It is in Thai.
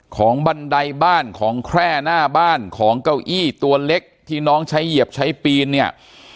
บันไดบ้านของแคร่หน้าบ้านของเก้าอี้ตัวเล็กที่น้องใช้เหยียบใช้ปีนเนี่ย